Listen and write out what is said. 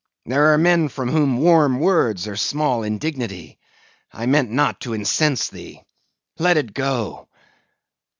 There are men from whom warm words are small indignity. I meant not to incense thee. Let it go.